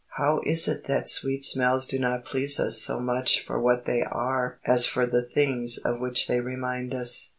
How is it that sweet smells do not please us so much for what they are as for the things of which they remind us?